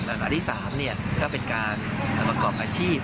และข้อที่๓เป็นการเกาะกบอาชีพ